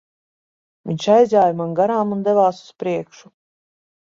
Viņš aizjāja man garām un devās uz priekšu.